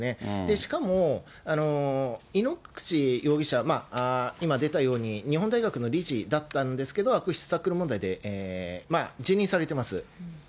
しかも井ノ口容疑者、今出たように、日本大学の理事だったんですけど、悪質タックル問題で、辞任されてます。